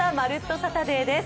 サタデー」です。